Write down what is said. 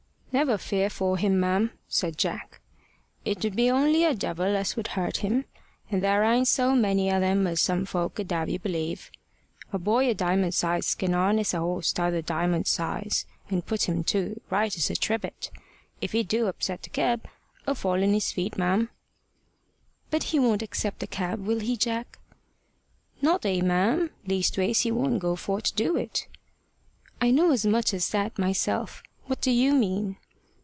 "Never fear for him, ma'am," said Jack. "It 'ud be only a devil as would hurt him, and there ain't so many o' them as some folk 'ud have you believe. A boy o' Diamond's size as can 'arness a 'oss t'other Diamond's size, and put him to, right as a trivet if he do upset the keb 'll fall on his feet, ma'am." "But he won't upset the cab, will he, Jack?" "Not he, ma'am. Leastways he won't go for to do it." "I know as much as that myself. What do you mean?"